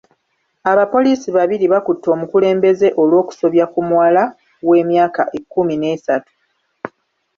Abapoliisi babiri bakutte omukulembeze olw'okusobya ku muwala w'emyaka ekumi n'esatu.